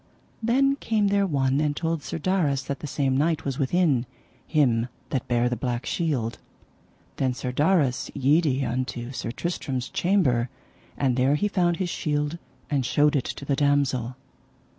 Then came there one and told Sir Darras that the same knight was within, him that bare the black shield. Then Sir Darras yede unto Sir Tristram's chamber, and there he found his shield and showed it to the damosel.